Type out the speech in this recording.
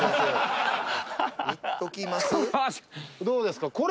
どうですか？